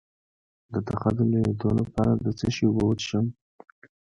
د تخه د لوییدو لپاره د څه شي اوبه وڅښم؟